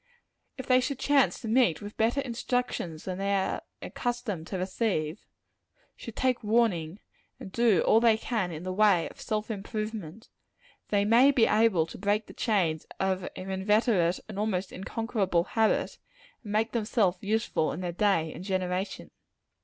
If they should chance to meet with better instructions than they are accustomed to receive should take warning, and do all they can in the way of self improvement they may be able to break the chains of an inveterate and almost unconquerable habit, and make themselves useful in their day and generation.